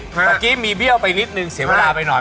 เมื่อกี้มีเบี้ยวไปนิดนึงเสียเวลาไปหน่อย